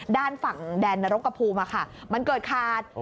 ด้านฝั่งแดนนรกกระภูมิมันเกิดขาด